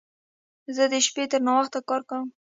زه د شپې تر ناوخت کار کوم.